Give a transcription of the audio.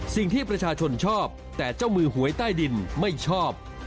สิ่งที่ประชาชนชอบแต่เจ้ามือหวยใต้ดินไม่ชอบ